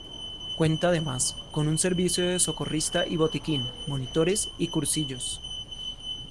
Cuenta además con un servicio de socorrista y botiquín, monitores y cursillos.